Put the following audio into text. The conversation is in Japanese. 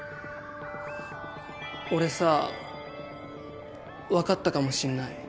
俺さ分かったかもしんない。